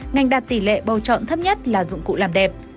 ngành đạt tỷ lệ bầu chọn thấp nhất là dụng cụ làm đẹp